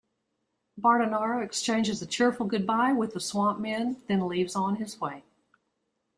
Bardonaro exchanges a cheerful goodbye with the Swampmen, then leaves on his way.